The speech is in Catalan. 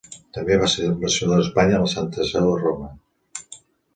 També va ser ambaixador d'Espanya a la Santa Seu a Roma.